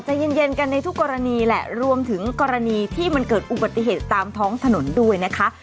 ใจเย็นกันในทุกกรณีแหละรวมถึงกรณีที่มันเกิดอุบัติเหตุตามท้องถนนด้วยนะคะ